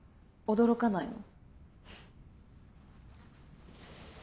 驚かないの？